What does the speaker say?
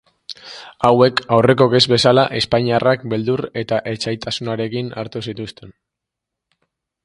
Hauek, aurrekoek ez bezala, espainiarrak beldur eta etsaitasunarekin hartu zituzten.